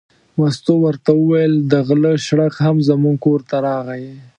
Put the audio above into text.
مستو ورته وویل: د غله شړک هم زموږ کور ته راغی.